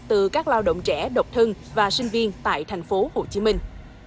từ các lao động trẻ độc thân và sinh viên tại thành phố hồ chí minh